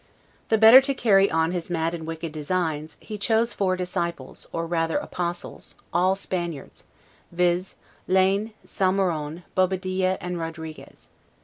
The better to carry on his mad and wicked designs, he chose four disciples, or rather apostles, all Spaniards, viz, Laynes, Salmeron, Bobadilla, and Rodriguez.